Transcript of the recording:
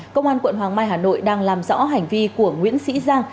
công an quận hoàng mai hà nội đang làm rõ hành vi của nguyễn sĩ giang